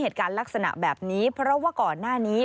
เหตุการณ์ลักษณะแบบนี้เพราะว่าก่อนหน้านี้